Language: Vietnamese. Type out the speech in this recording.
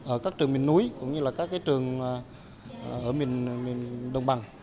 ở các trường miền núi cũng như là các trường ở miền đông bằng